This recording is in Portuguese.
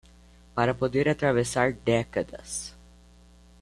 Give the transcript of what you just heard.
Para poder atravessar décadas